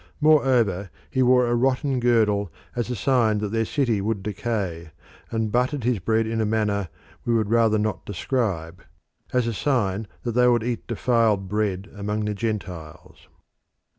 Moreover he wore a rotten girdle as a sign that their city would decay, and buttered his bread in a manner we would rather not describe, as a sign that they would eat defiled bread among the Gentiles.